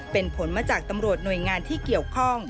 เป็นผลมาจากตำรวจหน่วยงานที่เกี่ยวข้อง